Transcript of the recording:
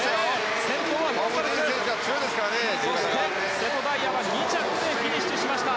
瀬戸大也は２着でフィニッシュしました。